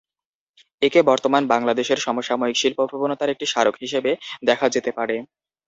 একে বর্তমান বাংলাদেশের সমসাময়িক শিল্পপ্রবণতার একটি স্মারক হিসেবে দেখা যেতে পারে।